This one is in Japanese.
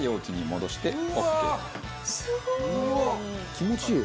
気持ちいい！